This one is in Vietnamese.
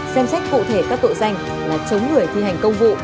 xem xét cụ thể các tội danh là chống người thi hành công vụ